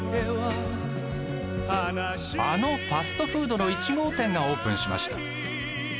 あのファストフードの１号店がオープンしました。